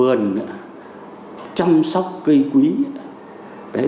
thường chăm sóc cây quý